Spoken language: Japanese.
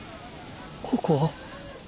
ここは。